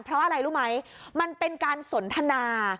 เพราะอะไรรู้ไหมมันเป็นการสนทนา